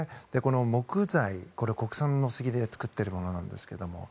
木材、これは国産のスギで作っているものなんですが。